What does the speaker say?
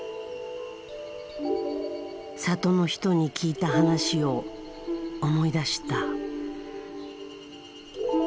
里の人に聞いた話を思い出した。